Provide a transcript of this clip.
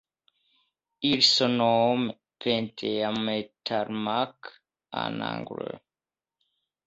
Il se nomme Penthea Metalmark en anglais.